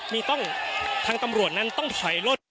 มีต้องทางตำรวจนั้นต้องถอยล่น